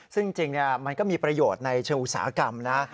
ซึ่งจริงมันก็มีประโยชน์ในเชิงอุตสาหกรรมนะ